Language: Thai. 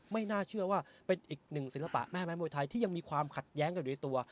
ไม่น่าเชื่อว่าเป็นอีกหนึ่งศิลปะแม่ไม้มวยไทยที่ยังมีความขัดแย้งกันอยู่ในตัว